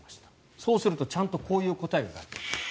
そうするとちゃんとこういう答えが返ってきます。